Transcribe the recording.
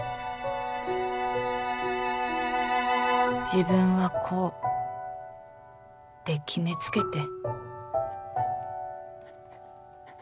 「自分はこう」って決め付けて